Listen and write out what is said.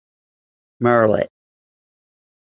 Merlet.